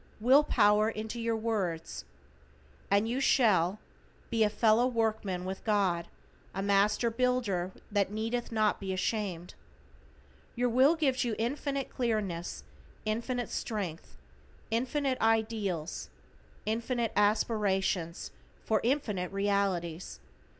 Will power into your words. And you shall be "a fellow workman with God, a master builder that needeth not to be ashamed." Your Will gives infinite clearness, infinite strength, infinite ideals, infinite aspirations, for infinite realities.